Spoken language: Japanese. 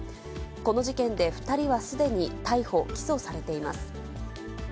この事件で２人はすでに逮捕・起訴されています。